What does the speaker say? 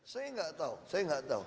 saya tidak tahu saya tidak tahu